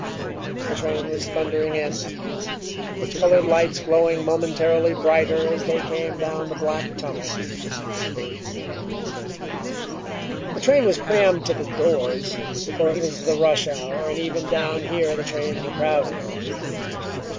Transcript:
The train was thundering in, its colored lights growing momentarily brighter as they came down the black tunnel. The train was crammed to the doors, for it was the rush hour and even down here the trains were crowded. Mr.